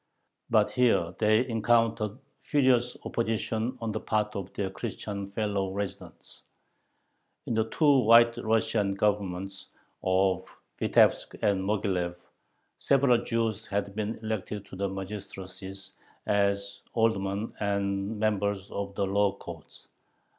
But here they encountered furious opposition on the part of their Christian fellow residents. In the two White Russian Governments of Vitebsk and Moghilev several Jews had been elected to the magistracies as aldermen and members of the law courts.